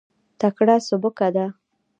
تکړه سبکه ده.